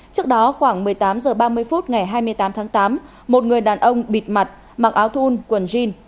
trước đó khoảng một mươi tám h ba mươi phút ngày hai mươi tám tháng tám một người đàn ông bịt mặt mặc áo thun quần jean